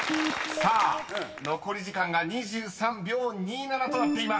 ［さあ残り時間が２３秒２７となっています］